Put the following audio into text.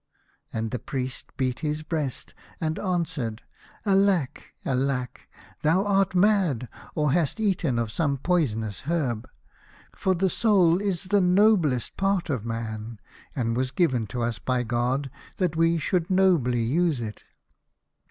And the Priest beat his breast, and answered, " Alack, Alack, thou art mad, or hast eaten of some poisonous herb, for the soul is the noblest part of man, and was given to us by God that we should nobly use it.